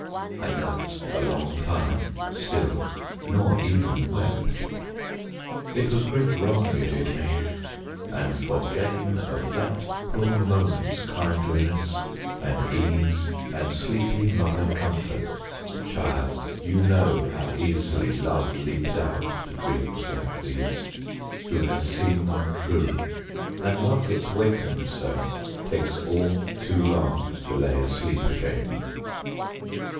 I knelt a long time, still; nor even wept. It was great wrong you did me; and for gain Of that poor moment's kindliness, and ease, And sleepy mother comfort! Child, you know How easily love leaps out to dreams like these, Who has seen them true. And love that's wakened so Takes all too long to lay asleep again.